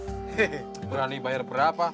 hei berani bayar berapa